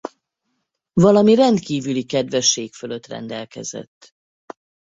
Valami rendkívüli kedvesség fölött rendelkezett.